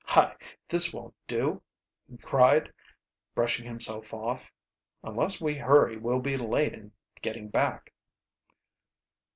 "Hi! this won't do!" he cried, brushing himself off. "Unless we hurry we'll be late in getting back."